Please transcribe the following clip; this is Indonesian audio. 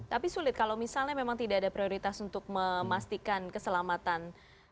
tapi sulit kalau misalnya memang tidak ada prioritas untuk memastikan keselamatan